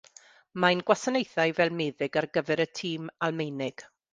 Mae'n gwasanaethu fel meddyg ar gyfer y tîm Almaenig.